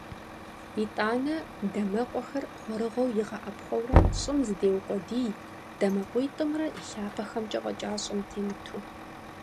ИтӀанэ, дамэкъуэхэр гъуэрыгъуэу игъэӀэпхъуэурэ щӀым зыдеукъуэдий, дамэкъуитӀымрэ и лъапэхэмкӀэ фӀэкӀа щӀым темыту.